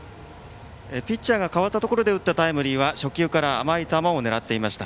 ピッチャーが代わったところで打ったときは初球から甘い球を狙っていました。